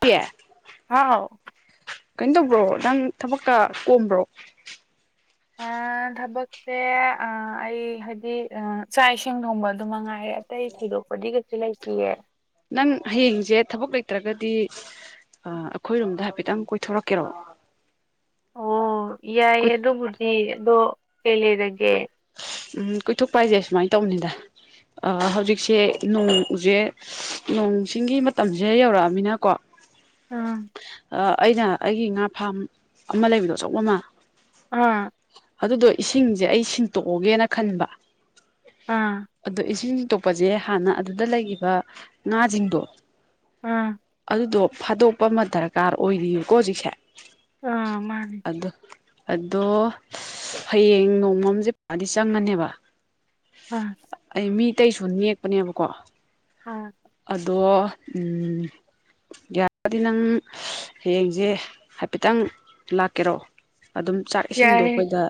ꯑꯦ ꯍꯥꯎ ꯀꯩꯅꯣ ꯇꯧꯕ꯭ꯔꯣ ꯅꯪ ꯊꯕꯛꯀ ꯀꯣꯝꯕ꯭ꯔꯣ ꯊꯕꯛꯁꯦ ꯑꯩ ꯍꯥꯏꯗꯤ ꯆꯥꯛ ꯏꯁꯤꯡ ꯊꯣꯡꯕ ꯑꯗꯨ ꯃꯉꯥꯏꯔꯦ ꯑꯇꯩ ꯊꯣꯏꯗꯣꯛꯄꯗꯤ ꯀꯩꯁꯨ ꯂꯩꯁꯤꯌꯦ ꯅꯪ ꯍꯌꯦꯡꯁꯦ ꯊꯕꯛ ꯂꯩꯇ꯭ꯔꯒꯗꯤ ꯑꯩꯈꯣꯏ ꯔꯨꯝꯗ ꯍꯥꯏꯐꯦꯠꯇꯪ ꯀꯣꯏꯊꯣꯔꯛꯀꯦꯔꯣ ꯑꯣ ꯌꯥꯏꯌꯦ ꯑꯗꯨꯕꯨꯗꯤ ꯑꯗꯣ ꯀꯩ ꯂꯩꯔꯒꯦ ꯎꯝ ꯀꯣꯏꯊꯣꯛꯄ ꯍꯥꯏꯁꯦ ꯁꯨꯃꯥꯏꯅ ꯇꯧꯅꯤꯗ ꯍꯧꯖꯤꯛꯁꯦ ꯅꯣꯡꯖꯦ ꯅꯣꯡ ꯆꯤꯡ ꯃꯇꯝꯁꯦ ꯌꯧꯔꯛꯑꯃꯤꯅꯀꯣ ꯎꯝ ꯑꯩꯅ ꯑꯩꯒꯤ ꯉꯥ ꯐꯥꯝ ꯑꯃ ꯂꯩꯕꯗꯣ ꯑꯆꯧꯕ ꯑꯃ ꯑꯥ ꯑꯗꯨꯗꯣ ꯏꯁꯤꯡꯁꯦ ꯑꯩ ꯁꯤꯡꯇꯣꯛꯑꯣꯒꯦꯅ ꯈꯟꯕ ꯑꯥ ꯑꯗꯣ ꯏꯁꯤꯡ ꯇꯣꯛꯄꯁꯦ ꯍꯥꯟꯅ ꯑꯗꯨꯗ ꯂꯩꯈꯤꯕ ꯉꯥꯁꯤꯡꯗꯣ ꯎꯝ ꯑꯗꯨꯗꯣ ꯐꯥꯗꯣꯛꯄ ꯑꯃ ꯗꯔꯀꯥꯔ ꯑꯣꯏꯔꯤꯑꯀꯣ ꯍꯧꯖꯤꯛꯁꯦ ꯑꯥ ꯃꯥꯅꯤ ꯑꯗ ꯑꯗꯨꯗꯣ ꯍꯌꯦꯡ ꯅꯣꯡ ꯅꯝꯁꯦ ꯄꯗꯤ ꯆꯪꯉꯅꯦꯕ ꯑ ꯑꯩ ꯃꯤ ꯇꯇꯩꯁꯨ ꯅꯦꯛꯄꯅꯦꯕꯀꯣ ꯑ ꯑꯗꯣ ꯎ ꯌꯥꯔꯒꯗꯤ ꯅꯪ ꯍꯌꯦꯡꯁꯦ ꯍꯥꯏꯐꯦꯠꯇꯪ ꯂꯥꯛꯀꯦꯔꯣ ꯑꯗꯨꯝ ꯆꯥꯛ ꯏꯁꯤꯡꯗꯣ ꯌꯥꯏꯌꯦ ꯑꯩꯈꯣꯏꯗ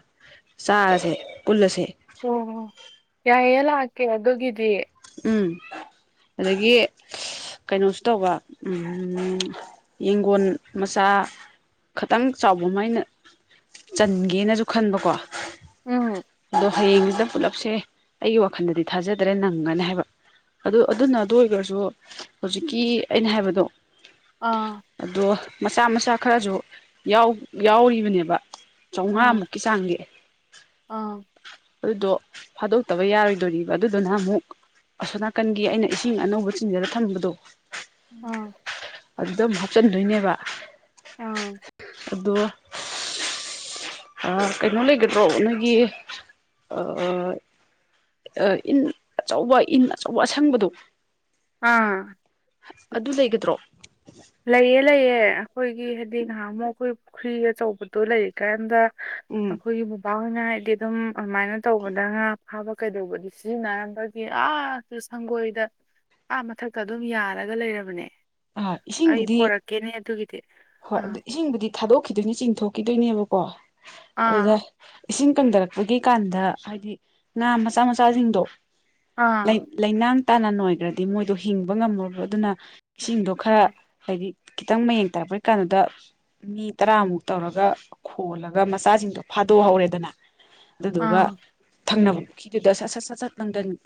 ꯆꯥꯔꯁꯦ ꯄꯨꯜꯂꯁꯦ ꯑꯣꯢ ꯌꯥꯏꯌꯦꯦ ꯂꯀꯦ ꯑꯗꯨꯒꯤꯗꯤ ꯎꯝ ꯑꯗꯒꯤ ꯀꯩꯅꯣꯁꯨ ꯇꯧꯕ ꯎꯝ ꯌꯦꯡꯒꯣꯟ ꯃꯆꯥ ꯈꯤꯇꯪ ꯆꯥꯎꯕ ꯑꯃꯥꯏꯅ ꯆꯟꯒꯦꯅꯁꯨ ꯈꯟꯕꯀꯣ ꯎꯝ ꯑꯗꯣ ꯍꯌꯦꯡꯁꯤꯗ ꯄꯨꯂꯞꯁꯦ ꯑꯩꯒꯤ ꯋꯥꯈꯜꯗꯗꯤ ꯊꯥꯖꯗ꯭ꯔꯦ ꯅꯪ ꯐꯪꯒꯅꯤ ꯍꯥꯏꯕ ꯑꯗꯨ ꯑꯗꯨꯅ ꯑꯗꯨ ꯑꯣꯏꯈꯔꯁꯨ ꯍꯧꯖꯤꯛꯀꯤ ꯑꯩꯅ ꯍꯥꯏꯕꯗꯣ ꯑꯥ ꯑꯗꯣ ꯃꯆꯥ ꯃꯆꯥ ꯈꯔꯁꯨ ꯌꯥꯎꯔꯤꯕꯅꯦꯕ ꯑꯥ ꯆꯥꯝꯃꯉꯥꯃꯨꯛꯀꯤ ꯇꯥꯡꯒꯦ ꯑꯥ ꯑꯗꯨꯗꯣ ꯐꯥꯗꯣꯛꯇꯕ ꯌꯥꯔꯣꯏꯗꯣꯔꯤꯕ ꯑꯗꯨꯗꯨꯅ ꯑꯃꯨꯛ ꯑꯁꯣꯅꯥꯀꯟꯒꯤ ꯑꯩꯅ ꯏꯁꯤꯡ ꯑꯅꯧꯕ ꯆꯤꯡꯖꯗ ꯊꯝꯕꯗꯣ ꯑꯥ ꯑꯗꯨꯗ ꯑꯃꯨ ꯍꯥꯞꯆꯤꯟꯗꯣꯏꯅꯦꯕ ꯑꯥ ꯗꯣ ꯀꯩꯅꯣ ꯂꯩꯒꯗ꯭ꯔꯣ ꯅꯣꯏꯒꯤ ꯑ ꯏꯟ ꯑꯆꯧꯕ ꯏꯟ ꯑꯆꯧꯕ ꯑꯁꯪꯕꯗꯨ ꯑꯥ ꯑꯗꯨ ꯂꯩꯒꯗ꯭ꯔꯣ ꯂꯩꯑ ꯂꯩꯌꯦ ꯑꯩꯈꯣꯏꯒꯤ ꯍꯥꯏꯗꯤ ꯉꯍꯥ ꯑꯃꯨꯛ ꯑꯩꯈꯣꯏ ꯐꯈꯔꯤ ꯑꯆꯧꯕꯗ ꯇꯣ ꯂꯩꯔꯤꯀꯥꯟꯗ ꯎꯝ ꯑꯩꯈꯣꯏꯒꯤ ꯕꯥꯍꯣꯏꯅ ꯍꯥꯏꯗꯤ ꯑꯗꯨꯝ ꯑꯗꯨꯃꯥꯏꯅ ꯇꯧꯕꯗ ꯉꯥ ꯐꯥꯕ ꯀꯩꯗꯧꯕꯗꯤ ꯁꯤꯖꯤꯟꯅꯔꯝꯕꯒꯤ ꯑꯁ ꯑꯗꯨ ꯁꯪꯒꯣꯏꯗ ꯑꯥ ꯃꯊꯛꯇ ꯑꯗꯨꯝ ꯌꯥꯔꯒ ꯂꯩꯔꯕꯅꯦ ꯑꯥ ꯑꯩ ꯏꯁꯤꯡꯕꯨꯗꯤ ꯄꯣꯔꯛꯀꯦꯅꯦ ꯑꯗꯨꯒꯤꯗꯤ ꯍꯣꯏ ꯑꯥ ꯑꯗꯨ ꯏꯁꯤꯡꯕꯨꯗꯤ ꯊꯥꯗꯣꯛꯈꯤꯗꯣꯏꯅꯦ ꯆꯤꯡꯊꯣꯛꯈꯤꯗꯣꯏꯅꯦꯕꯀꯣ ꯑꯗꯨꯗ ꯑꯥ ꯏꯁꯤꯡ ꯀꯪꯊꯔꯛꯄꯒꯤ ꯀꯥꯟꯗ ꯍꯥꯏꯗꯤ ꯉꯥ ꯃꯆꯥ ꯃꯆꯥꯁꯤꯡꯗꯣ ꯑꯥ ꯂꯩ ꯂꯩꯅꯥꯡ ꯇꯥꯅ ꯅꯣꯏꯈ꯭ꯔꯗꯤ ꯃꯣꯏꯗꯣ ꯍꯤꯡꯕ ꯉꯝꯃꯕ ꯑꯗꯨꯅ ꯏꯁꯤꯡꯗꯣ ꯈꯔ ꯑꯥ ꯍꯥꯏꯗꯤ ꯈꯤꯇꯪ ꯃꯌꯦꯡ ꯇꯥꯛꯄꯩ ꯀꯥꯟꯗꯨꯗ ꯃꯤ ꯇꯔꯥꯃꯨꯛ ꯇꯧꯔꯒ ꯈꯣꯜꯂꯒ ꯃꯆꯥꯁꯤꯡꯗꯣ ꯐꯥꯗꯣꯛꯍꯧꯔꯦꯗꯅ ꯑꯗꯨꯗꯨꯒ ꯑꯥ ꯊꯪꯅꯕ ꯄꯨꯈꯤꯗꯨꯗ ꯁꯠ ꯁꯠ ꯁꯠ ꯁꯠ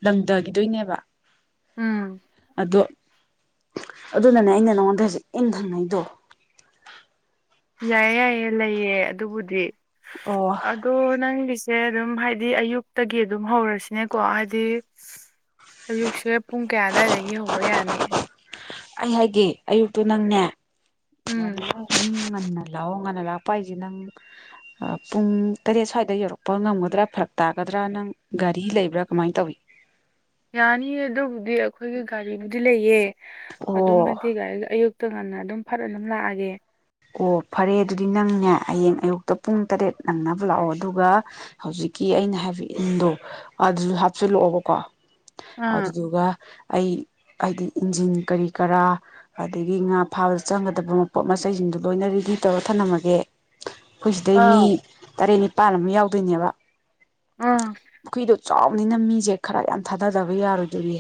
ꯂꯪꯊꯈꯤꯗꯣꯏꯅꯦꯕ ꯎꯝ ꯗꯣ ꯑꯗꯨꯅꯅꯦ ꯑꯩꯅ ꯅꯪꯉꯣꯟꯗ ꯍꯧꯖꯤꯛ ꯏꯪꯊꯪꯉꯩꯗꯣ ꯌꯥꯏꯌꯦ ꯌꯥꯏꯌꯦ ꯂꯩꯌꯦ ꯑꯗꯨꯕꯨꯗꯤ ꯑꯣ ꯑꯣ ꯅꯪꯒꯤꯁꯦ ꯑꯗꯨꯝ ꯍꯥꯏꯗꯤ ꯑꯌꯨꯛꯇꯒꯤ ꯑꯗꯨꯝ ꯍꯧꯔꯁꯤꯅꯦꯀꯣ ꯍꯥꯏꯗꯤ ꯑꯌꯨꯛꯁꯦ ꯄꯨꯡ ꯀꯌꯥ ꯑꯋꯥꯏꯗꯒꯤ ꯍꯧꯕ ꯌꯥꯅꯤ ꯑꯩ ꯍꯥꯏꯒꯦ ꯑꯌꯨꯛꯇꯨ ꯅꯪꯅꯦ ꯎꯝ ꯑꯗꯨꯨꯝ ꯉꯟꯅ ꯂꯥꯛꯑꯣ ꯉꯟꯅ ꯂꯥꯛꯄ ꯍꯥꯏꯁꯦ ꯅꯪ ꯄꯨꯡ ꯇꯔꯦꯠ ꯁ꯭ꯋꯥꯏꯗ ꯌꯧꯔꯛꯄ ꯉꯝꯒꯗ꯭ꯔꯥ ꯐꯔꯛ ꯇꯥꯒꯗ꯭ꯔꯥ ꯅꯪ ꯒꯥꯔꯤ ꯂꯩꯕ꯭ꯔꯥ ꯀꯃꯥꯏꯅ ꯇꯧꯋ ꯌꯥꯅꯤꯌꯦ ꯑꯗꯨꯕꯨꯗꯤ ꯑꯩꯈꯣꯏꯒꯤ ꯒꯥꯔꯤꯕꯨꯗꯤ ꯂꯩꯌꯦ ꯑꯗꯨꯝ ꯑꯣ ꯍꯥꯏꯗꯤ ꯒꯥꯔꯤ ꯑꯌꯨꯛ ꯇ ꯉꯟꯅ ꯑꯗꯨꯝ ꯐꯔ ꯑꯗꯨꯝ ꯂꯥꯛꯑꯒꯦ ꯑꯣ ꯐꯔꯦ ꯑꯗꯨꯗꯤ ꯅꯪꯅꯦ ꯍꯌꯦꯡ ꯑꯌꯨꯛꯇ ꯄꯨꯡ ꯇꯔꯦꯠ ꯅꯪꯅꯕ ꯂꯥꯛꯑꯣ ꯑꯗꯨꯒ ꯍꯧꯖꯤꯛꯀꯤ ꯑꯩꯅ ꯍꯥꯏꯕ ꯏꯟꯗꯣ ꯑꯗꯨꯁꯨ ꯍꯥꯞꯆꯤꯜꯂꯛꯑꯣꯕꯀꯣ ꯑꯥ ꯑꯗꯨꯗꯨꯒ ꯑꯩ ꯍꯥꯏꯗꯤ ꯏꯟꯖꯤꯟ ꯀꯔꯤ ꯀꯔꯥ ꯑꯗꯒꯤ ꯉꯥ ꯐꯥꯕꯗ ꯆꯪꯒꯗꯕ ꯃ ꯄꯣꯠ ꯃꯆꯩꯁꯤꯡꯗꯣ ꯂꯣꯏꯅ ꯔꯦꯗꯤ ꯇꯧꯔ ꯊꯝꯂꯝꯝꯃꯒꯦ ꯑꯩꯈꯣꯏ ꯁꯤꯗꯩ ꯃꯤ ꯑꯥꯎ ꯇꯔꯦꯠ ꯅꯤ ꯃꯄꯥꯟ ꯑꯃ ꯌꯥꯎꯗꯣꯏꯅꯦꯕ ꯑꯥ ꯄꯨꯈꯔꯤꯗꯣ ꯆꯥꯎꯕꯅꯤꯅ ꯃꯤꯁꯦ ꯈꯔ ꯌꯥꯝ ꯊꯥꯗꯗꯕ ꯌꯥꯔꯣꯏꯗꯣꯏꯔꯤ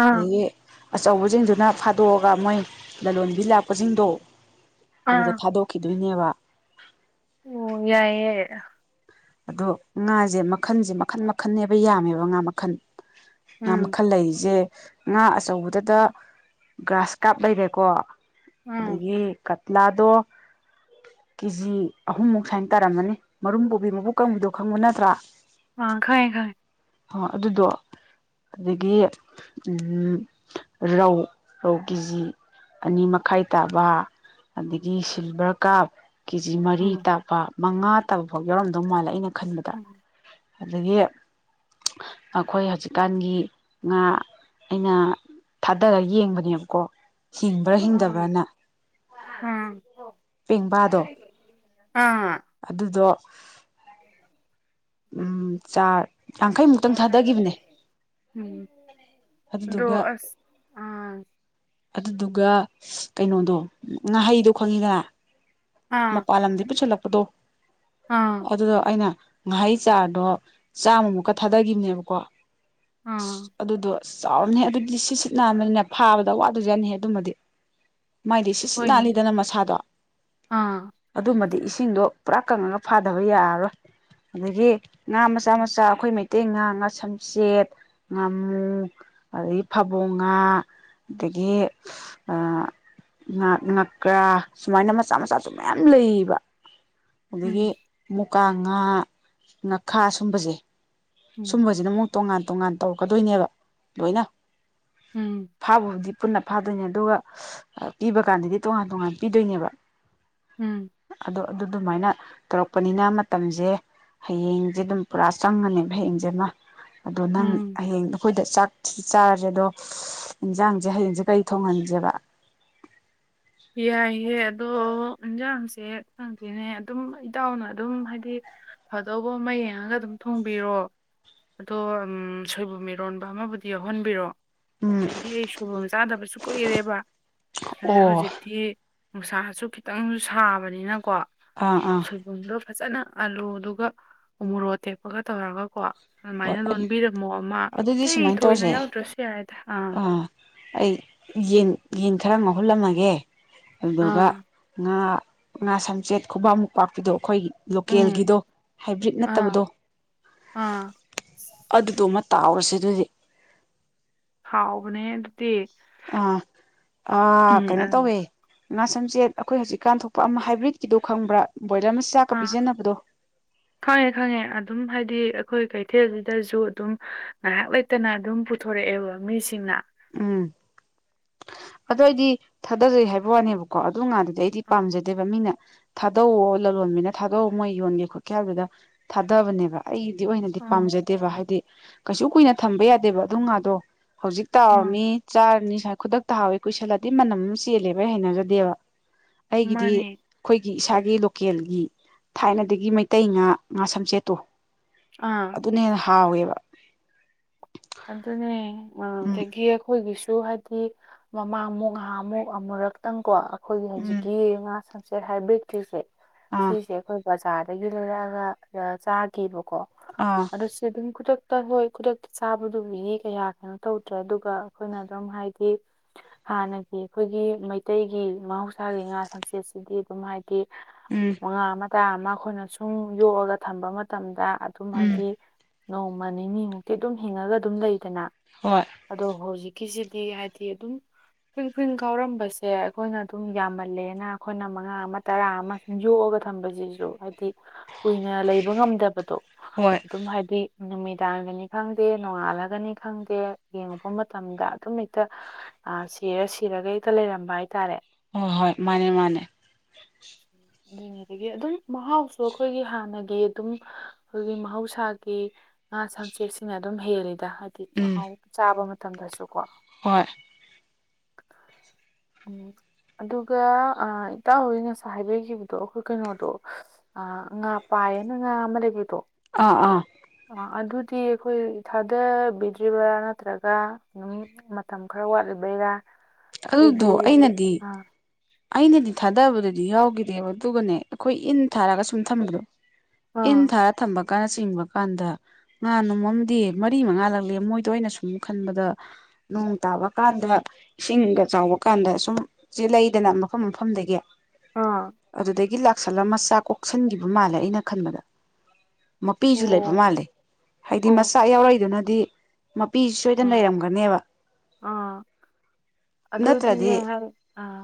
ꯑꯥ ꯑꯗꯒꯤ ꯑꯆꯧꯕꯁꯤꯡꯗꯨꯅ ꯐꯥꯗꯣꯛꯑꯒ ꯃꯣꯏ ꯂꯂꯣꯟꯕꯤ ꯂꯥꯛꯄꯁꯤꯡꯗꯣ ꯑꯗꯨꯗ ꯑꯥ ꯊꯥꯗꯣꯛꯈꯤꯗꯣꯏꯅꯦꯕ ꯑꯣ ꯌꯥꯏꯌꯦ ꯌꯥꯏ ꯑꯗꯣ ꯉꯥꯁꯦ ꯃꯈꯟꯁꯦ ꯃꯈꯟ ꯃꯈꯟꯅꯦꯕ ꯌꯥꯝꯃꯦꯕ ꯉꯥ ꯃꯈꯜ ꯉꯥ ꯎꯝ ꯃꯈꯜ ꯂꯩꯔꯤꯁꯦ ꯉꯥ ꯑꯆꯧꯕꯗꯗ ꯒ꯭ꯔꯥꯁ ꯀꯥꯞ ꯂꯩꯔꯦꯀꯣ ꯎꯝ ꯑꯗꯨꯗꯒꯤ ꯀ ꯂꯥꯗꯣ ꯀꯦ ꯖꯤ ꯑꯍꯨꯝꯃꯨꯛ ꯁꯨꯃꯥꯏꯅ ꯇꯥꯔꯝꯃꯅꯤ ꯃꯔꯨꯝ ꯄꯨꯣꯕꯤ ꯃꯕꯨ ꯀꯪꯕꯤꯗꯣ ꯈꯪꯕ ꯅꯠꯇ꯭ꯔꯥ ꯑ ꯈꯔꯦ ꯈꯔꯦ ꯑ ꯑꯗꯨꯗꯣ ꯑꯗꯒꯤ ꯎꯝ ꯔꯧ ꯔꯧ ꯀꯦꯖꯤ ꯑꯅꯤ ꯃꯈꯥꯏ ꯇꯥꯕ ꯑꯗꯒꯤ ꯁꯤꯜꯚꯔ ꯀꯥꯞ ꯀꯦ ꯖꯤ ꯃꯔꯤ ꯎꯝ ꯇꯥꯛꯄ ꯃꯉꯥ ꯇꯥꯕꯐꯥꯎ ꯌꯥꯎꯔꯝꯗꯧ ꯃꯥꯜꯂꯦ ꯑꯩꯅ ꯈꯟꯕꯗ ꯎꯝ ꯑꯗꯒꯤ ꯑꯩꯈꯣꯏ ꯍꯧꯖꯤꯛꯀꯥꯟꯒꯤ ꯉꯥ ꯑꯩꯅ ꯊꯥꯗꯔꯒ ꯌꯦꯡꯕꯅꯦꯕꯀꯣ ꯍꯤꯡꯕ꯭ꯔꯥ ꯍꯤꯡꯗꯕ꯭ꯔꯥꯅ ꯑ ꯄꯦꯡꯕꯥꯗꯣ ꯑꯥ ꯑꯗꯨꯗꯣ ꯍꯥꯏ ꯎꯝ ꯆꯥ ꯌꯥꯡꯈꯩ ꯇꯪ ꯊꯥꯗꯈꯤꯕꯅꯦ ꯎꯝ ꯑꯗꯣ ꯑꯗꯨꯗꯨꯒ ꯑꯁ ꯑꯥ ꯑꯗꯨꯗꯨꯒ ꯀꯩꯅꯣꯗꯣ ꯉꯥꯍꯩꯗꯣ ꯈꯪꯉꯤꯗꯅ ꯑꯥ ꯃꯄꯥꯂꯝꯗ ꯄꯆꯂꯄꯗꯣ ꯑꯥ ꯑꯗꯨꯗꯣ ꯑꯩꯅ ꯉꯍꯩ ꯆꯥꯔꯗꯣ ꯆꯥꯝꯃꯃꯨꯛꯀ ꯊꯥꯗꯈꯤꯕꯅꯦꯕꯀꯣ ꯑꯁ ꯑꯥ ꯑꯗꯨꯗꯣ ꯆꯥꯎꯔꯝꯅꯤ ꯑꯗꯨꯗꯤ ꯁꯤꯠ ꯁꯤꯠ ꯅꯥꯝꯕꯅꯤꯅ ꯐꯥꯕꯗ ꯋꯥꯗꯁꯨ ꯌꯥꯅꯤꯍꯦ ꯑꯗꯨꯃꯗꯤ ꯃꯥꯏꯗꯤ ꯁꯤꯠ ꯁꯤꯠ ꯍꯣꯏꯅꯦ ꯅꯥꯜꯂꯤꯗꯅ ꯃꯁꯥꯗꯣ ꯑꯥ ꯑꯗꯨꯃꯗꯤ ꯏꯁꯤꯡꯗꯣ ꯄꯨꯔꯥ ꯀꯪꯉꯒ ꯐꯥꯗꯕ ꯌꯥꯔꯔꯣꯏ ꯑꯗꯒꯤ ꯉꯥ ꯃꯆꯥ ꯎꯝ ꯃꯆꯥ ꯑꯩꯈꯣꯏ ꯃꯩ ꯇꯦꯡꯉꯥ ꯉ ꯁꯝꯆꯦꯠ ꯉꯥꯃꯨ ꯑꯗꯒꯤ ꯐꯕꯣ ꯉꯥ ꯑꯗꯒꯤ ꯉ ꯉꯀ꯭ꯔꯥ ꯁꯨꯃꯥꯏꯅ ꯃꯆꯥ ꯃꯆꯥꯁꯨ ꯃꯌꯥꯝ ꯂꯩꯌꯦꯕ ꯑꯗꯒꯤ ꯎꯝ ꯃꯨꯀꯥ ꯉꯥ ꯉꯥꯈꯥ ꯁꯨꯝꯕꯁꯦ ꯁꯨꯝꯕꯁꯤꯅ ꯑꯃꯨꯛ ꯇꯣꯉꯥꯟ ꯇꯣꯉꯥꯟ ꯇꯧꯔꯛꯀꯗꯣꯏꯅꯦꯕ ꯂꯣꯏꯅ ꯎꯝ ꯐꯥꯕꯕꯨꯗꯤ ꯄꯨꯟꯅ ꯐꯥꯗꯣꯏꯅꯦ ꯑꯗꯨꯒ ꯄꯤꯕ ꯀꯥꯟꯗꯗꯤ ꯇꯣꯉꯥꯟ ꯇꯣꯉꯥꯟ ꯄꯤꯗꯣꯏꯅꯦꯕ ꯎꯝ ꯑꯗꯣ ꯑꯗꯨ ꯑꯗꯨꯃꯥꯏꯅ ꯇꯧꯔꯛꯄꯅꯤꯅ ꯃꯇꯝꯁꯦ ꯍꯌꯦꯡꯁꯦ ꯑꯗꯨꯝ ꯄꯨꯔꯥ ꯆꯪꯉꯅꯦꯕ ꯍꯌꯦꯡꯁꯦꯃ ꯑꯗꯣ ꯅꯪ ꯎꯝ ꯍꯌꯦꯡ ꯑꯩꯈꯣꯏꯗ ꯆꯥꯛ ꯆꯥꯔꯁꯦ ꯑꯗꯣ ꯌꯦꯟꯖꯥꯡꯁꯦ ꯍꯌꯦꯡꯁꯦ ꯀꯩ ꯊꯣꯡꯍꯟꯁꯦꯕ ꯌꯥꯏꯌꯦ ꯑꯗꯣ ꯏꯟꯖꯥꯡꯁꯦ ꯈꯪꯗꯦꯅꯦ ꯑꯗꯨꯝ ꯏꯇꯥꯎꯅ ꯑꯗꯨꯝ ꯍꯥꯏꯗꯤ ꯐꯗꯧꯕ ꯃꯩ ꯌꯦꯡꯉꯒ ꯑꯗꯨꯝ ꯊꯣꯡꯕꯤꯔꯣ ꯑꯗꯣ ꯁꯣꯏꯕꯨꯝ ꯃꯤꯔꯣꯟꯕ ꯑꯃꯕꯨꯗꯤ ꯌꯥꯎꯍꯟꯕꯤꯔꯣꯑꯣ ꯎꯝ ꯍꯥꯏꯗꯤ ꯑꯩ ꯁꯨꯕ ꯆꯥꯗꯕꯁꯨ ꯀꯨꯏꯔꯦꯕ ꯑꯣ ꯍꯧꯖꯤꯛ ꯅꯨꯡꯁꯥꯁꯨ ꯈꯤꯇꯪꯁꯨ ꯁꯥꯕꯅꯤꯅꯀꯣ ꯑꯥ ꯑꯥ ꯁꯣꯏꯕꯨꯝꯗꯣ ꯐꯖꯅ ꯑꯂꯨꯗꯨꯒ ꯃꯣꯔꯣ ꯇꯦꯛꯄꯒ ꯇꯧꯔꯒꯀꯣ ꯑꯗꯨꯃꯥꯏꯅ ꯍꯣꯏ ꯂꯣꯟꯕꯤꯔꯝꯃꯣ ꯑꯃ ꯑꯗꯨꯗꯤ ꯑꯇꯩ ꯊꯣꯏꯅ ꯌꯥꯎꯗ꯭ꯔꯁꯨ ꯌꯥꯏꯗ ꯑꯥ ꯑ ꯑꯩ ꯌꯦꯟ ꯌꯦꯟ ꯈꯔ ꯉꯧꯍꯜꯂꯝꯃꯒꯦ ꯑꯗꯨꯗꯨꯒ ꯑꯥ ꯉꯥ ꯉꯥ ꯁꯝꯆꯦꯠ ꯈꯨꯕꯃꯨꯛ ꯄꯥꯛꯄꯤꯗꯣ ꯑꯩꯈꯣꯏꯒꯤ ꯎꯝ ꯂꯣꯀꯦꯜꯒꯤꯗꯣ ꯍꯥꯏꯕ꯭ꯔꯤꯠ ꯑꯥ ꯅꯠꯇꯕꯗꯣ ꯑꯥ ꯑꯗꯨꯗꯣꯃ ꯇꯥꯎꯔꯁꯦ ꯑꯗꯨꯗꯤ ꯍꯥꯎꯕꯅꯦ ꯑꯗꯨꯗꯤ ꯑꯥ ꯑ ꯎꯝ ꯀꯩꯅꯣ ꯑꯗꯨ ꯇꯧꯋꯦ ꯉꯥ ꯁꯝꯆꯦꯠ ꯑꯩꯈꯣꯏ ꯍꯧꯖꯤꯛꯀꯥꯟ ꯊꯣꯛꯄ ꯑꯃ ꯍꯥꯏꯕ꯭ꯔꯤꯠꯀꯤꯗꯣ ꯈꯪꯕ꯭ꯔꯥ ꯕꯣꯏꯂꯔ ꯑꯃ ꯆꯥꯛꯀ ꯑꯥ ꯄꯤꯖꯟꯅꯅꯕꯗꯣ ꯈꯪꯉꯦ ꯈꯪꯉꯦ ꯑꯗꯨꯝ ꯍꯥꯏꯗꯤ ꯑꯩꯈꯣꯏ ꯀꯩꯊꯦꯜꯁꯤꯗꯁꯨ ꯑꯗꯨꯝ ꯉꯥꯏꯍꯥꯛ ꯂꯩ ꯐꯠꯇꯅ ꯑꯗꯨꯝ ꯄꯨꯊꯣꯔꯛꯑꯦꯕ ꯃꯤꯁꯤꯡꯅ ꯎꯝ ꯑꯗꫭ ꯑꯩꯗꯤ ꯊꯥꯗꯖꯩ ꯍꯥꯏꯕ ꯋꯥꯅꯦꯕꯀꯣ ꯑꯗꯨ ꯉꯥꯗꯨꯗꯤ ꯑꯩꯗꯤ ꯄꯥꯝꯖꯗꯦꯕ ꯃꯤꯅ ꯊꯥꯗꯣꯛꯑꯣ ꯂꯂꯣꯟꯕꯤꯅ ꯊꯥꯗꯣꯛꯎ ꯃꯣꯏ ꯌꯣꯟꯒꯦ ꯈꯣꯠꯀꯦ ꯍꯥꯏꯗꯨꯗ ꯊꯥꯗꯕꯅꯦꯕ ꯑꯩꯗꯤ ꯑꯣꯏꯅꯗꯤ ꯑꯥ ꯄꯥꯝꯖꯗꯦꯕ ꯍꯥꯏꯗꯤ ꯀꯩꯁꯨ ꯀꯨꯏꯅ ꯊꯝꯕ ꯌꯥꯗꯦꯕ ꯑꯗꯨꯝ ꯉꯥꯗꯣ ꯍꯧꯖꯤꯛ ꯑꯥ ꯇꯥꯎꯔꯅꯤ ꯆꯥꯔꯅꯤ ꯁ꯭ꯋꯥꯏ ꯈꯨꯗꯛꯇ ꯇꯍꯥꯎꯋꯦ ꯀꯨꯏꯁꯜꯂꯗꯤ ꯃꯅꯝ ꯑꯃ ꯆꯦꯜꯂꯦꯕ ꯍꯩꯅꯖꯗꯦꯕ ꯑꯩꯒꯤꯗꯤ ꯃꯥꯅꯦ ꯑꯩꯈꯣꯏꯒꯤ ꯏꯁꯥꯒꯤ ꯂꯣꯀꯦꯜꯒꯤ ꯊꯥꯏꯅꯗꯒꯤ ꯃꯩꯇꯩ ꯉꯥ ꯉꯥ ꯁꯝꯆꯦꯠꯇꯣ ꯑꯥ ꯑꯗꯨꯅ ꯍꯦꯟꯅ ꯍꯥꯎꯋꯦꯕ ꯑꯗꯨꯅꯦ ꯎꯝ ꯑꯗꯒꯤ ꯑꯩꯈꯣꯏꯒꯤꯁꯨ ꯍꯥꯏꯗꯤ ꯃꯃꯥꯡꯃꯨꯛ ꯉꯍꯥꯃꯨꯛ ꯑꯃꯨꯔꯛꯇꯪꯀꯣ ꯑꯩꯈꯣꯏꯒꯤ ꯎꯝ ꯍꯧꯖꯤꯛꯀꯤ ꯉꯥ ꯁꯟꯁꯦꯠ ꯍꯥꯏꯕꯦꯛꯇꯔꯤꯁꯦ ꯑꯥ ꯁꯤꯁꯦ ꯑꯩꯈꯣꯏ ꯕꯖꯥꯔꯗꯒꯤ ꯂꯣꯏꯔꯛꯑꯒ ꯆꯥꯒꯕꯀꯣ ꯑꯥ ꯑꯗꯨꯗ ꯁꯤ ꯈꯗꯛꯇ ꯍ ꯈꯗꯛꯇ ꯆꯥꯕꯗꯨꯕꯨꯗꯤ ꯀꯌꯥ ꯀꯩꯅꯣ ꯇꯧꯗ꯭ꯔꯦ ꯑꯗꯨꯒ ꯑꯩꯈꯣꯏꯅ ꯑꯗꯨꯝ ꯍꯥꯏꯗꯤ ꯍꯥꯟꯅꯒꯤ ꯑꯩꯈꯣꯏꯒꯤ ꯃꯩꯇꯩꯒꯤ ꯃꯍꯧꯁꯥꯒꯤ ꯉꯥ ꯁꯝꯆꯦꯠꯁꯤꯗꯤ ꯑꯗꯨꯝ ꯍꯥꯏꯗꯤ ꯎꯝ ꯉꯉꯥ ꯑꯃ ꯇꯥ ꯑꯃ ꯑꯩꯈꯣꯏꯅ ꯁꯨꯝ ꯌꯣꯛꯑꯒ ꯊꯝꯕ ꯃꯇꯝꯗ ꯑꯗꯨꯝ ꯎꯝ ꯍꯥꯏꯗꯤ ꯅꯣꯡꯃ ꯅꯤꯅꯤꯃꯨꯛꯇꯤ ꯑꯗꯨꯝ ꯍꯤꯡꯉꯒ ꯑꯗꯨꯝ ꯂꯩꯗꯅ ꯍꯣꯏ ꯑꯗꯣ ꯍꯧꯖꯤꯛꯀꯤꯁꯤꯗꯤ ꯍꯥꯏꯗꯤ ꯑꯗꯨꯝ ꯐ꯭ꯔꯤꯟ ꯐ꯭ꯔꯤꯟ ꯀꯥꯎꯔꯝꯕꯁꯦ ꯑꯩꯈꯣꯏꯅ ꯑꯗꯨꯝ ꯌꯥꯝꯃꯜꯂꯦꯅ ꯑꯩꯈꯣꯏꯅ ꯃꯉꯥ ꯑꯃ ꯇꯔꯥ ꯑꯃ ꯌꯣꯑꯒ ꯊꯝꯕꯁꯤꯁꯨ ꯍꯥꯏꯗꯤ ꯀꯨꯏꯅ ꯂꯩꯕ ꯉꯝꯗꯕꯗꯣ ꯍꯣꯏ ꯑꯗꯨꯝ ꯍꯥꯏꯗꯤꯏ ꯅꯨꯃꯤꯗꯥꯡꯒꯅꯤ ꯈꯪꯗꯦ ꯅꯣꯡꯉꯥꯜꯂꯒꯅꯤ ꯈꯪꯗꯦ ꯌꯦꯡꯉꯨꯄ ꯃꯇꯝꯗ ꯑꯗꯨꯝ ꯍꯛꯇ ꯑ ꯁꯤꯔ ꯁꯤꯔꯒ ꯍꯦꯛꯇ ꯂꯩꯔꯝꯕ ꯍꯥꯏꯇꯥꯔꯦ ꯍꯣꯏ ꯍꯣꯏ ꯃꯥꯅꯦ ꯃꯥꯅꯦ ꯑꯗꯨꯅꯦꯗꯒꯤ ꯑꯗꯨꯝ ꯃꯍꯥꯎꯁꯨ ꯑꯩꯈꯣꯏꯒꯤ ꯍꯥꯟꯅꯒꯤ ꯑꯗꯨꯝ ꯑꯩꯈꯣꯏꯒꯤ ꯃꯍꯧꯁꯥꯒꯤ ꯉꯥ ꯁꯝꯆꯦꯛꯁꯤꯡꯅ ꯑꯗꯨꯝ ꯍꯦꯜꯂꯤꯗ ꯍꯥꯏꯗꯤ ꯎꯝ ꯃꯍꯥꯎ ꯆꯥꯕ ꯃꯇꯝꯗꯁꯨ ꯀꯣ ꯍꯣꯏ ꯑ ꯑꯗꯨꯒ ꯏꯇꯥꯎ ꯍꫭꯏ ꯉꯁꯥꯏ ꯍꯥꯏꯕꯤꯈꯤꯕꯗꯣ ꯑꯩꯈꯣꯏ ꯀꯩꯅꯣꯗꯣ ꯑ ꯉ ꯉꯥ ꯄꯥꯏ ꯍꯥꯏꯅ ꯉꯥ ꯑꯃ ꯂꯩꯕꯗꫭ ꯑꯥ ꯑꯥ ꯑ ꯑꯗꯨꯗꯤ ꯑꯩꯈꯣꯏ ꯊꯥꯗꯕꯤꯗ꯭ꯔꯤꯕ꯭ꯔꯥ ꯅꯠꯇ꯭ꯔꯒ ꯑꯗꯨꯝ ꯃꯇꯝ ꯈꯔ ꯋꯥꯠꯂꯤꯕꯩꯔꯥ ꯑꯩꯗꯤ ꯑꯗꯨꯗꯣ ꯍꯥꯏꯗꯤ ꯑꯩꯅꯗꯤ ꯑ ꯑꯩꯅꯗꯤ ꯊꯥꯗꯕꯗꯗꯤ ꯌꯥꯎꯈꯤꯗꯦꯕ ꯑꯗꯨꯒꯅꯦ ꯑꯩꯈꯣꯏ ꯏꯟ ꯊꯥꯔꯒ ꯁꯨꯝ ꯊꯝꯕꯗꯣ ꯑꯥ ꯏꯟ ꯊꯥꯔ ꯊꯝꯕ ꯀꯥꯅ ꯆꯤꯡꯕ ꯀꯥꯟꯗ ꯉꯥ ꯅꯣꯃꯝꯗꯤ ꯃꯔꯤ ꯃꯉꯥ ꯂꯛꯂꯦ ꯃꯣꯏꯗꯣ ꯑꯩꯅ ꯁꯨꯝ ꯈꯟꯕꯗ ꯅꯣꯡ ꯇꯥꯕ ꯀꯥꯟꯗ ꯏꯁꯤꯡꯒ ꯆꯥꯎꯕ ꯀꯥꯟꯗ ꯁꯨꯝ ꯆꯩꯜ ꯂꯩ ꯗ ꯃꯐꯝ ꯃꯐꯝ ꯑꯥ ꯑꯗꯨ ꯂꯥꯛ ꯀꯥꯛꯁꯜꯂ ꯃꯆꯥ ꯀꯣꯛꯁꯟꯈꯤꯕ ꯃꯥꯜꯂꯦ ꯑꯩꯅ ꯈꯟꯕꯗ ꯃꯄꯤꯁꯨ ꯂꯩꯕ ꯑꯣ ꯃꯥꯜꯂꯦ ꯍꯥꯏꯗꯤ ꯑꯣ ꯃꯆꯥ ꯌꯥꯎꯔꯛꯏꯗꯨꯅꯗꯤ ꯃꯄꯤꯁꯤ ꯁꯣꯏꯗꯅ ꯑꯥ ꯂꯩꯔꯝꯒꯅꯦꯕ ꯑꯥ ꯑꯗꯨꯗꯤꯅꯦ ꯅꯠꯇ꯭ꯔꯗꯤ ꯍꯥꯏ ꯑꯥ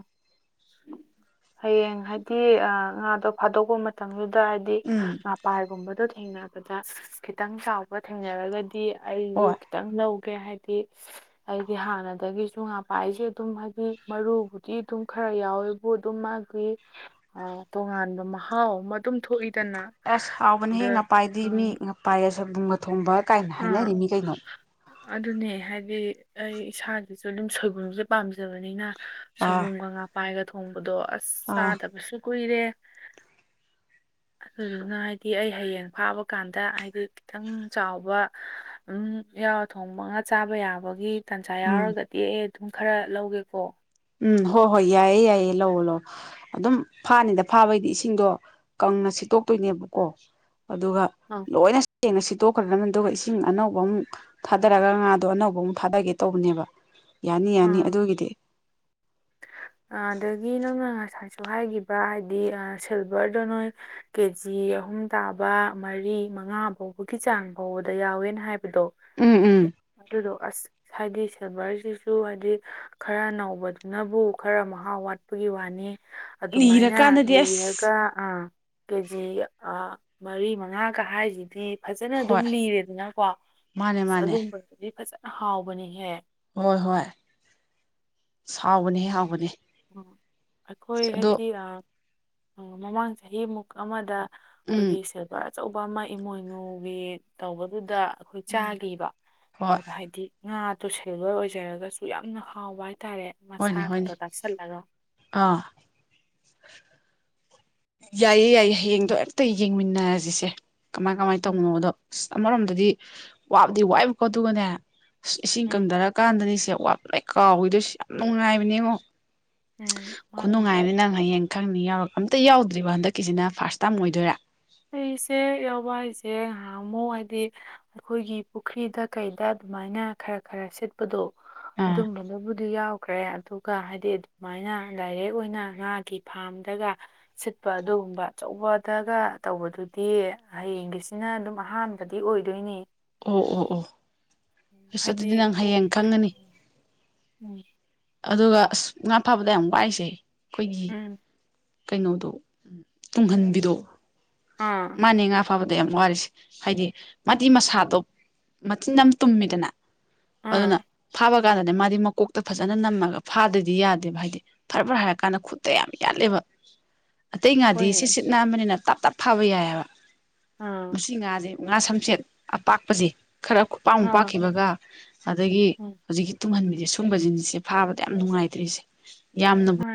ꯍꯌꯦꯡ ꯍꯥꯏꯗꯤ ꯉꯥꯗꯣ ꯐꯥꯗꯣꯛꯄ ꯃꯇꯝ ꯃꯇꯝꯗꯨꯗ ꯍꯥꯏꯗꯤ ꯎꯝ ꯃꯄꯥꯏꯒꯨꯝꯕꯗꯣ ꯊꯦꯡꯅꯕꯗ ꯈꯤꯇꯪ ꯆꯥꯎꯕ ꯊꯦꯡꯅꯔꯒꯗꯤ ꯑꯩꯁꯨ ꯍꯣꯏ ꯈꯤꯇꯪ ꯂꯧꯒꯦ ꯍꯥꯏꯗꯤ ꯑꯩꯗꯤ ꯍꯥꯟꯅꯗꯒꯤꯁꯨ ꯄꯥꯏꯁꯦ ꯑꯗꯨꯝ ꯍꯥꯏꯗꯤ ꯃꯔꯨꯕꯨꯗꯤ ꯑꯗꯨꯝ ꯈꯔ ꯌꯥꯎꯋꯦꯕꯨ ꯑꯗꯨꯝ ꯃꯥꯒꯤ ꯇꯣꯉꯥꯟꯕ ꯃꯍꯥꯎ ꯑꯃ ꯑꯗꯨꯝ ꯊꯣꯛꯏ ꯑꯁ ꯍꯥꯎꯕꯅꯦꯍꯦꯛ ꯉꯄꯥꯏꯗꯤ ꯃꯤ ꯎꯝ ꯉꯄꯥꯏ ꯑꯁ ꯕꯨꯡꯒ ꯊꯣꯡꯕ ꯀꯥꯏꯅ ꯑꯥ ꯍꯥꯏꯅꯔꯤ ꯃꯤ ꯀꯩꯅꯣ ꯑꯗꯨꯅꯦ ꯍꯥꯏꯗꯤ ꯑꯩ ꯏꯁꯥꯗꯁꯨ ꯑꯗꯨꯝ ꯁꯣꯏꯕꯨꯝꯁꯦ ꯄꯥꯝꯖꯕꯅꯤꯅ ꯑꯥ ꯁꯣꯏꯕꯨꯝꯒ ꯉꯥ ꯄꯥꯏꯒ ꯊꯣꯡꯕꯗꯣ ꯑꯁ ꯑꯥ ꯆꯥꯗꯕꯁꯨ ꯀꯨꯏꯔꯦ ꯍꯥꯏꯗꯤ ꯑꯩ ꯍꯌꯦꯡ ꯐꯥꯕ ꯀꯥꯟꯗ ꯍꯥꯏꯗꯤ ꯈꯤꯇꯪ ꯆꯥꯎꯕꯝ ꯌꯥꯌꯥꯎ ꯊꯣꯡꯕꯒ ꯆꯥꯕ ꯌꯥꯕꯒꯤ ꯇꯟꯖꯥ ꯎꯝ ꯌꯥꯎꯔꯒꯗꯤ ꯑꯩ ꯑꯗꯨꯝ ꯈꯔ ꯂꯧꯒꯦꯀꯣ ꯎꯝ ꯍꯣ ꯍꯣꯏ ꯌꯥꯏꯌꯦ ꯌꯥꯏꯌꯦ ꯂꯑꯣ ꯂ ꯑꯗꯨꯝ ꯐꯥꯅꯤꯗ ꯐꯥꯕꯩꯗꯤ ꯏꯁꯤꯡꯗꯣ ꯀꯪꯅ ꯁꯤꯠꯇꯣꯛꯇꯣꯏꯅꯦꯕꯀꯣ ꯑꯗꯨꯒ ꯑ ꯂꯣꯏꯅ ꯁꯦꯡꯅ ꯁꯤꯠꯇꯣꯛꯈ꯭ꯔꯗꯕꯅꯤ ꯑꯗꯨꯒ ꯏꯁꯤꯡ ꯑꯅꯧꯕ ꯑꯃꯨꯛ ꯊꯥꯗꯔꯒ ꯉꯥꯗꯣ ꯑꯅꯧꯕ ꯑꯃꯨꯛ ꯊꯥꯗꯒꯦ ꯇꯧꯕꯅꯦꯕ ꯌꯥꯅꯤ ꯌꯥꯅꯤ ꯑꯗꯨꯒꯤꯗꯤ ꯑꯗꯒꯤ ꯅꯪꯅ ꯉꯁꯥꯏꯁꯨ ꯍꯥꯏꯈꯤꯕ ꯍꯥꯏꯗꯤ ꯁꯤꯜꯚꯔꯗꯣ ꯅꯣꯏ ꯀꯦꯖꯤ ꯑꯍꯨꯝ ꯇꯥꯕ ꯃꯔꯤ ꯃꯉꯥ ꯐꯥꯎꯕꯒꯤ ꯆꯥꯡ ꯐꯥꯎꯕꯗ ꯌꯥꯎꯋꯦꯅ ꯍꯥꯏꯕꯗꯣ ꯎꯝ ꯎꯝ ꯑꯗꯨꯗꯣ ꯑꯁ ꯍꯥꯏꯗꯤ ꯁꯤꯜꯚꯔꯁꯤꯁꯨ ꯍꯥꯏꯗꯤ ꯈꯔ ꯅꯧꯕ ꯅꯕꯨ ꯈꯔ ꯃꯍꯥꯎ ꯋꯥꯠꯄꯒꯤ ꯋꯥꯅꯤ ꯑꯗꯨꯃꯥꯏꯅ ꯂꯤꯔꯀꯥꯟꯗꯗꯤ ꯑꯁ ꯂꯤꯔꯒ ꯑꯥ ꯀꯦꯖꯤ ꯃꯔꯤ ꯃꯉꯥꯒ ꯍꯥꯏꯁꯤꯗꯤ ꯐꯖꯅ ꯑꯗꯨꯝ ꯍꯣꯏ ꯂꯤꯔꯦꯗꯅꯀꯣ ꯃꯥꯅꯦ ꯑꯁ ꯃꯥꯅꯦ ꯑꯗꯨꯝꯕꯗꯨꯗꯤ ꯐꯖꯅ ꯍꯥꯎꯕꯅꯤꯍꯦ ꯍꯣꯏ ꯍꯣꯏ ꯍꯥꯎꯕꯅꯦ ꯍꯥꯎꯕꯅꯦ ꯎꯝ ꯑꯩꯈꯣꯏ ꯑ ꯑꯣ ꯍꯥꯏꯗꯤ ꯑ ꯃꯃꯥꯡ ꯆꯍꯤꯃꯨꯛ ꯑꯃꯗ ꯎꯝ ꯑꯩꯈꯣꯏꯒꯤ ꯑ ꯑꯆꯧꯕ ꯑꯃ ꯏꯃꯣꯏꯅꯨꯒꯤ ꯇꯧꯕꯗꯨꯗ ꯑꯩꯈꯣꯏ ꯎꯝ ꯆꯥꯈꯤꯕ ꯍꯣꯏ ꯑꯗꯨꯗ ꯍꯥꯏꯗꯤ ꯉꯥꯗꯨꯣ ꯁꯦꯜꯂꯣꯏ ꯑꯣꯏꯖꯔꯒꯁꯨ ꯌꯥꯝꯅ ꯍꯥꯎꯕ ꯍꯥꯏꯇꯥꯔꯦ ꯃꯁꯥ ꯍꯣꯏꯅꯦ ꯍꯣꯏꯅꯦ ꯈꯛꯇꯣ ꯇꯥꯛꯁꯤꯜꯂꯒ ꯑꯥ ꯌꯥꯏꯌꯦ ꯌꯥꯏꯌꯦ ꯍꯌꯦꯡꯗꯣ ꯑꯝꯇ ꯌꯦꯡꯃꯤꯟꯅꯔꯁꯤꯁꯦ ꯀꯃꯥꯏ ꯀꯃꯥꯏꯅ ꯎꯝ ꯇꯧꯕꯅꯣꯗꯣ ꯑ ꯑꯃꯔꯣꯝꯗꯗꯤ ꯋꯥꯕꯗꯤ ꯋꯥꯏꯕꯀꯣ ꯑꯗꯨꯒꯅꯦ ꯑ ꯏꯁꯤꯡ ꯎꯝ ꯀꯪꯗꯔ ꯀꯥꯟꯗꯅꯤꯁꯦ ꯑꯋꯥꯠ ꯂꯅ ꯀꯥꯎꯏꯗꯣꯏꯁꯤ ꯌꯥꯝ ꯅꯨꯡꯉꯥꯏꯕꯅꯦ ꯌꯦꯡꯉꯣ ꯎꯝ ꯃꯥꯅꯦ ꯈꯨꯅꯨꯡꯉꯥꯏꯅꯤ ꯅꯪ ꯍꯌꯦꯡ ꯈꯪꯅꯤ ꯌꯥꯎꯔꯛ ꯑꯝꯇ ꯌꯥꯎꯗ꯭ꯔꯤꯕꯣ ꯍꯟꯗꯛꯀꯤꯁꯤꯅ ꯐꯥꯔꯁ ꯇꯥꯏꯝ ꯑꯣꯏꯗꯣꯏꯔꯥ ꯑꯩꯁꯦ ꯌꯥꯎꯕ ꯍꯥꯏꯁꯦ ꯉꯍꯥꯡ ꯑꯃꯨ ꯍꯥꯏꯗꯤ ꯑꯩꯈꯣꯏꯒꯤ ꯄꯨꯈ꯭ꯔꯤꯗ ꯀꯩꯗ ꯑꯗꯨꯃꯥꯏꯅ ꯈꯔ ꯈꯔ ꯁꯤꯠꯄꯗꯣ ꯑꯥ ꯑꯗꯨꯝꯕꯗꯨꯕꯨ ꯑꯗꯨ ꯌꯥꯎꯈ꯭ꯔꯦ ꯑꯗꯨꯒ ꯍꯥꯏꯗꯤ ꯑꯗꯨꯃꯥꯏꯅ ꯗꯥꯏꯔꯦꯛ ꯑꯣꯏꯅ ꯉꯥꯒꯤ ꯐꯥꯔꯝꯗꯒ ꯁꯤꯠꯄ ꯑꯗꯨꯒꯨꯝꯕ ꯑꯆꯧꯕꯗꯒ ꯇꯧꯕꯗꯨꯗꯤ ꯍꯌꯦꯡꯒꯤꯁꯤꯅ ꯑꯗꯨꯝ ꯑꯍꯥꯟꯕꯗꯤ ꯑꯣꯏꯗꯣꯏꯅꯤ ꯑꯣ ꯑꯣ ꯑꯣ ꯑꯁ ꯍꯥꯏꯗꯤ ꯑꯗꯨꯗꯤ ꯅꯪ ꯍꯌꯦꯡ ꯄꯨꯈ꯭ꯔꯤ ꯈꯪꯒꯅꯤ ꯎꯝ ꯑꯗꯨꯒ ꯑꯁ ꯉꯥ ꯐꯥꯕꯗ ꯌꯥꯝ ꯋꯥꯏꯁꯦ ꯑꯩꯈꯣꯏꯒꯤ ꯎꯝ ꯀꯩꯅꯣꯗꯣ ꯇꯨꯡꯍꯟꯕꯤꯗꯣ ꯑꯥ ꯃꯥꯅꯦ ꯉꯥ ꯑꯐꯕꯗ ꯌꯥꯝ ꯋꯥꯔꯤꯁꯦ ꯍꯥꯏꯗꯤ ꯃꯥꯗꯤ ꯃꯁꯥꯗꯣ ꯃꯆꯤꯟ ꯑꯃ ꯇꯨꯝꯃꯤꯗꯅ ꯑꯥ ꯑꯗꯨꯅ ꯊꯥꯕ ꯀꯥꯟꯗꯅꯦ ꯃꯥꯗꯤ ꯃꯀꯣꯛꯇ ꯐꯖꯩ ꯐꯖꯅ ꯅꯝꯃꯒ ꯐꯥꯗꯣꯏꯗꯤ ꯌꯥꯗꯦꯕ ꯍꯥꯏꯗꯤ ꯐꯔ ꯐ꯭ꯔꯥ ꯍꯥꯏꯔ ꯀꯥꯟꯗ ꯈꯨꯠꯇ ꯌꯥꯝ ꯌꯥꯠꯂꯦꯕ ꯑꯇꯩ ꯉꯥꯗꯤ ꯍꯣꯏꯅꯦ ꯁꯤ ꯁꯤꯠ ꯅꯥꯑꯝꯕꯅꯤꯅ ꯇꯞ ꯇꯞ ꯐꯥꯕ ꯌꯥꯏꯑꯕ ꯑꯥ ꯃꯁꯤ ꯉꯥꯥꯁꯦ ꯉꯥ ꯁꯝꯆꯦꯠ ꯑꯄꯥꯛꯄꯁꯦ ꯈꯔ ꯑꯥ ꯈꯨꯄꯥꯛꯥꯛꯃꯄꯥꯛꯥꯛꯈꯤꯕꯒ ꯑꯗꯒꯤ ꯎꯝ ꯍꯧꯖꯤꯛꯀꯤ ꯇꯨꯡꯍꯟꯕꯤꯁꯦ ꯁꯨꯝꯕ ꯖꯤꯟꯁꯁꯦ ꯐꯥꯕꯗ ꯌꯥꯝꯅ ꯅꯨꯡꯉꯥꯏꯇ꯭ꯔꯤꯁꯦ ꯌꯥꯝꯅꯕꯨ ꯃꯥ